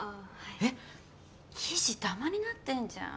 えっ生地ダマになってんじゃん。